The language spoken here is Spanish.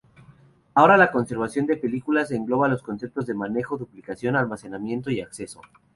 Ahora, la conservación de películas engloba los conceptos de manejo, duplicación, almacenamiento y acceso.